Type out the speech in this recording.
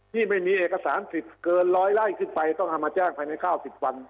ที่ไม่มีเอกสารสิทธิ์เกิน๑๐๐ไร่ขึ้นไปต้องเอามาแจ้งภายใน๙๐วัน